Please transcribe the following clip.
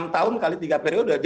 enam tahun kali tiga periode